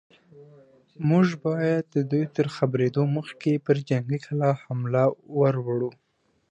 موږ بايد د دوی تر خبرېدو مخکې پر جنګي کلا حمله ور وړو.